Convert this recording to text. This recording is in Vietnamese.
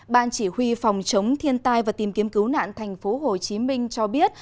ban chỉ huy phòng chống thiên tai và tìm kiếm cứu nạn tp hcm cho biết